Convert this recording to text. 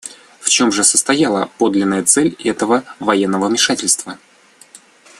В чем же состояла подлинная цель этого военного вмешательства?